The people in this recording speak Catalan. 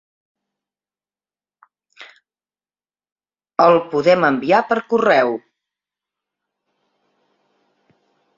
El podem enviar per correu.